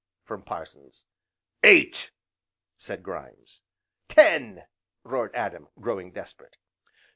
from Parsons. "Eight!" said Grimes. "Ten!" roared Adam, growing desperate.